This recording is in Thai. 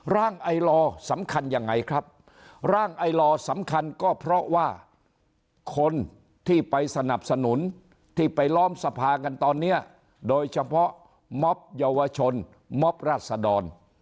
ร่างไอลอสำคัญยังไงครับร่างไอลอร์สำคัญก็เพราะว่าคนที่ไปสนับสนุนที่ไปล้อมสภากันตอนนี้โดยเฉพาะม็อบเยาวชนม็อบราษดร